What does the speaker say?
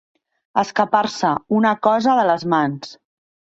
Escapar-se una cosa de les mans.